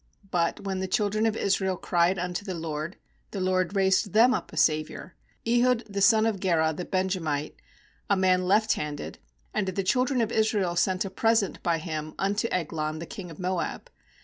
"But when the children of Israel cried unto the LORD, the LORD raised them up a saviour, Ehud the son of Gera, the Benjamite, a man left handed; and the children of Israel sent a present by him unto Eglon the king of Moab.